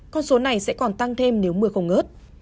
con số này sẽ còn tăng thêm nếu mưa không ngớt